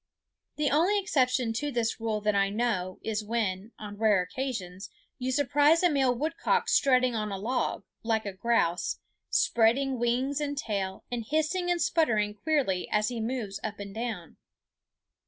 The only exception to this rule that I know is when, on rare occasions, you surprise a male woodcock strutting on a log, like a grouse, spreading wings and tail, and hissing and sputtering queerly as he moves up and down.